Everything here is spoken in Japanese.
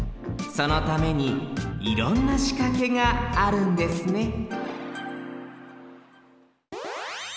そのためにいろんなしかけがあるんですね